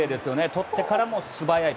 とってからも素早い。